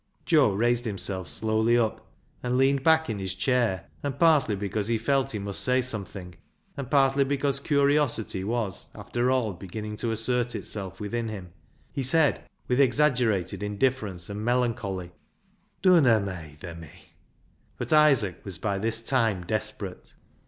Joe raised himself slowly up, and leaned back in his chair, and partly because he felt he must say something, and partly because curiosity was, after all, beginning to assert itself within him, he said, with exaggerated indifference and melancholy —" Dunna meyther me." But Isaac was by this time desperate.